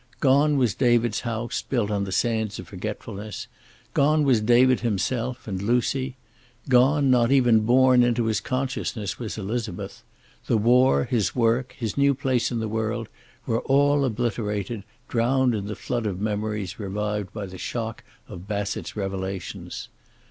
Gone was David's house built on the sands of forgetfulness. Gone was David himself, and Lucy. Gone not even born into his consciousness was Elizabeth. The war, his work, his new place in the world, were all obliterated, drowned in the flood of memories revived by the shock of Bassett's revelations.